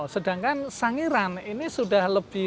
sedangkan sangiran ini sudah lebih